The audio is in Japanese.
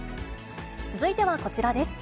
続いてはこちらです。